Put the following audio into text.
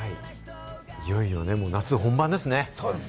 いよいよ夏本番ですね。